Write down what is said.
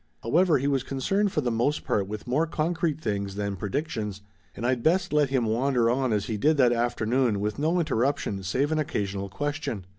However, he was concerned for the most part with more concrete things than predictions, and I'd best let him wander on as he did that afternoon with no interruption save an occasional question.